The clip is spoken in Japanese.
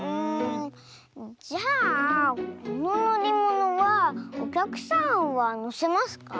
じゃあこののりものはおきゃくさんはのせますか？